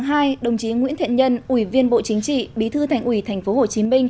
một mươi chín tháng hai đồng chí nguyễn thịnh nhân ủy viên bộ chính trị bí thư thành ủy tp hcm